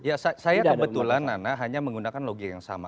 ya saya kebetulan nana hanya menggunakan logika yang sama